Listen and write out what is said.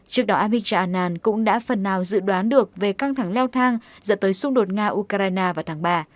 trước đó amitr annan cũng đã phần nào dự đoán được về căng thẳng leo thang dẫn tới xung đột nga ukraine vào tháng ba